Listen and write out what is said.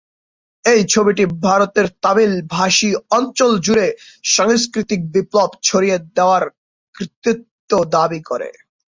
এই ছবিটি ভারতের তামিল ভাষী অঞ্চল জুড়ে "সাংস্কৃতিক বিপ্লব" ছড়িয়ে দেওয়ার কৃতিত্ব দাবি করে।